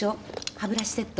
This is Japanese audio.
歯ブラシセット。